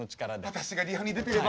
私がリハに出てれば。